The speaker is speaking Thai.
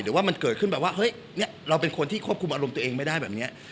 ว่ามันเกิดขึ้นแบบว่าเฮ้ยเราเป็นคนที่ควบคุมอารมณ์ตัวเองไม่ได้แบบนี้